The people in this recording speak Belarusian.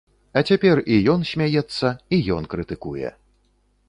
А цяпер і ён смяецца, і ён крытыкуе.